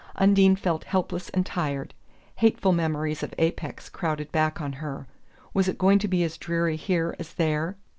Undine felt helpless and tired... hateful memories of Apex crowded back on her. Was it going to be as dreary here as there?